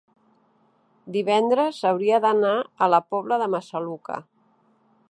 divendres hauria d'anar a la Pobla de Massaluca.